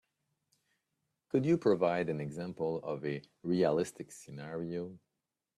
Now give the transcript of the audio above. Could you provide an example of a realistic scenario?